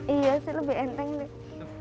iya sih lebih enteng nih